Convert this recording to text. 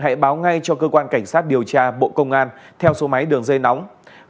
hãy báo ngay cho cơ quan cảnh sát điều tra bộ công an theo số máy đường dây nóng